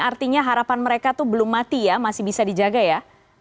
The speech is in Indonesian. artinya harapan mereka itu belum mati ya masih bisa dijaga ya